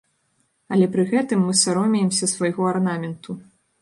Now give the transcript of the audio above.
Але пры гэтым мы саромеемся свайго арнаменту.